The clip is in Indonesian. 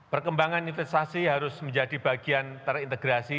perkembangan investasi harus menjadi bagian terintegrasi